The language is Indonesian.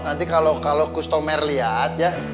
nanti kalau customer lihat ya